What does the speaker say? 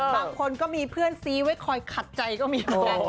บางคนก็มีเพื่อนซี้ไว้คอยขัดใจก็มี